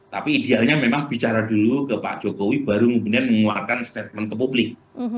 tapi idealnya memang bicara dulu ke pak jokowi baru mungkin mengeluarkan statement ke publik